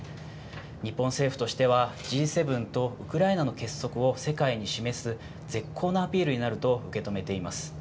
日本政府としては、Ｇ７とウクライナの結束を世界に示す絶好のアピールになると受け止めています。